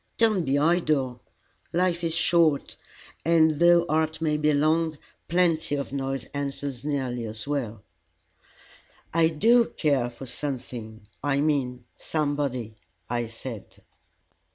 Don't be idle. Life is short, and though art may be long, plenty of noise answers nearly as well." "I do care for something I mean, somebody," I said.